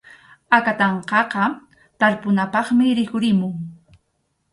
Akatanqaqa tarpunapaqmi rikhurimun.